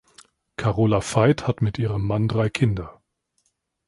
Carola Veit hat mit ihrem Mann drei Kinder.